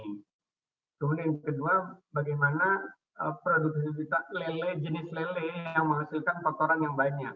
kemudian yang kedua bagaimana produktivitas lele jenis lele yang menghasilkan kotoran yang banyak